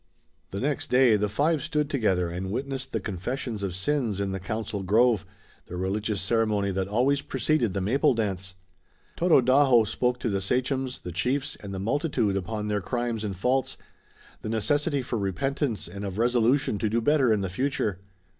The next day the five stood together and witnessed the confessions of sins in the council grove, the religious ceremony that always preceded the Maple Dance. Tododaho spoke to the sachems, the chiefs and the multitude upon their crimes and faults, the necessity for repentance and of resolution to do better in the future.